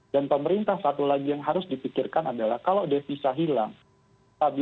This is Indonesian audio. yang menjelaskan agar negara negara yang cir besser enging diesesare reconciliation bonneville arizona yang tersebut pasti terjadi